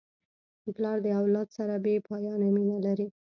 پلار د اولاد سره بېپایانه مینه لري.